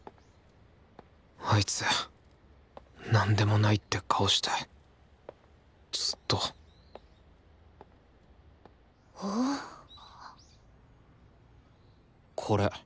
あいつなんでもないって顔してずっとこれ。